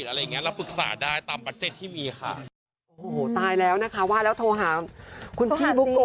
อย่างที่ทราบก็โควิดที่เกาหลีก็ยังหนักอยู่นะ